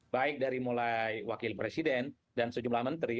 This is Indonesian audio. baik dari mulai wakil presiden dan sejumlah menteri